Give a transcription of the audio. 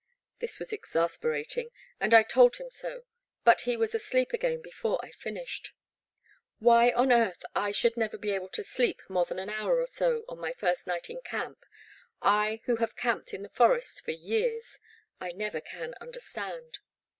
This was exasperating, and I told him so, but he was asleep again before I finished. Why on earth I should never be able to sleep more than an hour or so on my first night in camp, — I who have camped in the forest for years, — I never can understand.